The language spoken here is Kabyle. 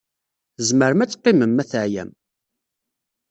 Tzemrem ad teqqimem, ma teɛyam.